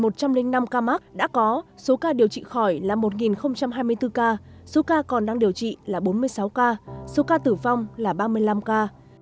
trong một trăm linh năm ca mắc đã có số ca điều trị khỏi là một hai mươi bốn ca số ca còn đang điều trị là bốn mươi sáu ca số ca tử vong là ba mươi năm ca